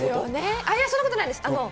いやいや、そんなことないです。